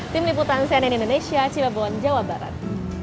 tim liputan cnn indonesia cirebon jawa barat